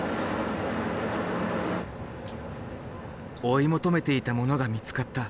追い求めていたものが見つかった。